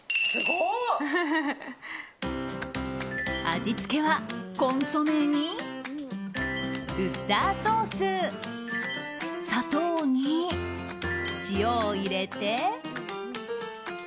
味付けは、コンソメにウスターソース砂糖に、塩を入れて。